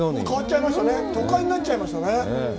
変わっちゃいましたね、都会になっちゃいましたね。